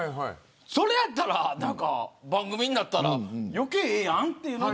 それやったら番組になったら余計ええやんって。